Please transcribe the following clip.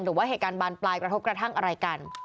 หรือว่าเหตุการณ์บานปลายกระทบกระทั่งอะไรกัน